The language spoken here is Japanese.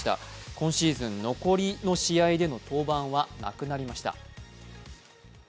今シーズン、残りの試合での登板はなくなりました。